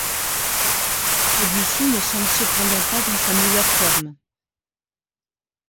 Celui-ci ne semble cependant pas dans sa meilleure forme.